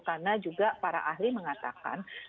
karena juga para ahli mengatakan